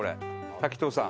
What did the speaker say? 滝藤さん。